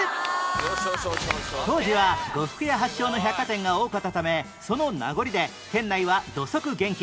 当時は呉服屋発祥の百貨店が多かったためその名残で店内は土足厳禁